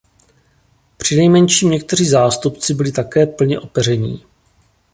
Přinejmenším někteří zástupci byli také plně opeření.